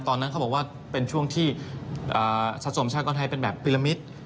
ตอนนั้นเขาบอกว่าเป็นช่วงที่สัดส่วนประชากรไทยเป็นแบบพิรามิต